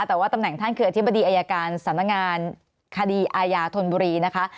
แต่ว่าตำแหน่งท่านคืออธิบดีอายการสำนักงานคดีอาญาธนบุรีนะคะ